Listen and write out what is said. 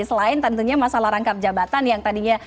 selain tentunya masalah rangkap jabatan yang tadinya